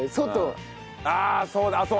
ああそうだそう！